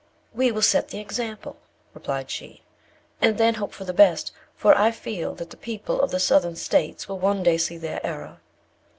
"We will set the example," replied she, "and then hope for the best; for I feel that the people of the Southern States will one day see their error.